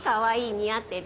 似合ってる！